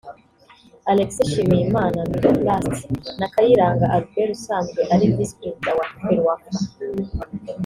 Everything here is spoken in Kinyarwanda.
Alexis Nshimiyimana (Miroplast) na Kayiranga Albert usanzwe ari Visi Perezida wa Ferwafa